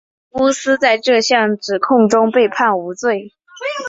加比尼乌斯在这项指控中被判无罪。